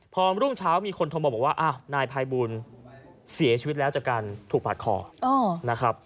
พอรุ่งเช้ามีคนบอกว่านายภัยบูลเสียชีวิตแล้วจากการถูกผาดคอ